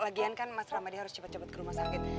lagian kan mas ramadi harus cepat cepat ke rumah sakit